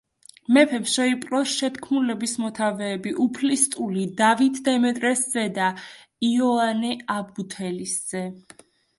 მეფემ შეიპყრო შეთქმულების მოთავეები: უფლისწული დავით დემეტრეს ძე და იოანე აბულეთისძე.